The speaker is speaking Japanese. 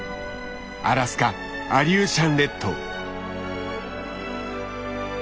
アラスカアリューシャン列島。